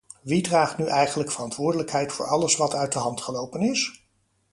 Wie draagt nu eigenlijk verantwoordelijkheid voor alles wat uit de hand gelopen is?